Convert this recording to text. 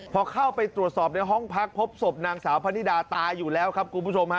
พอเข้าไปตรวจสอบในห้องพักพบศพนางสาวพะนิดาตายอยู่แล้วครับคุณผู้ชมฮะ